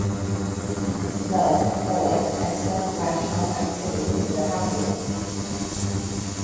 Thus, the life of excellent rational activity is the happy life.